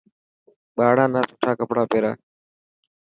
ٻاڙان نا سٺا ڪپڙا پيرا.